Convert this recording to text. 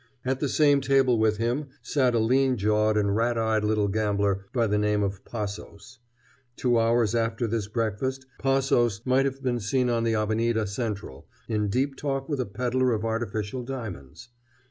At the same table with him sat a lean jawed and rat eyed little gambler by the name of Passos. Two hours after this breakfast Passos might have been seen on the Avenida Central, in deep talk with a peddler of artificial diamonds.